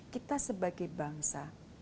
kita sebagai bangsa